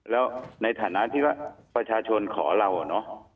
แล้วในฐานะที่ว่าประชาชนขอเราอะเนาะ